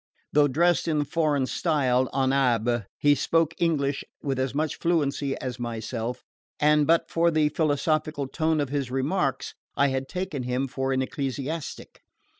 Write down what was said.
Though dressed in the foreign style, en abbe, he spoke English with as much fluency as myself, and but for the philosophical tone of his remarks I had taken him for an ecclesiastic.